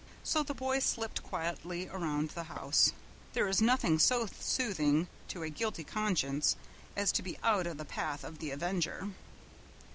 So the boy slipped quietly around the house. There is nothing so soothing to a guilty conscience as to be out of the path of the avenger.